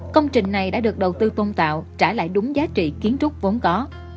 công trình này đã được đầu tư tôn tạo trả lại đúng giá trị kiến trúc vốn có